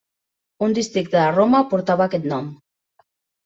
Un districte de Roma portava aquest nom.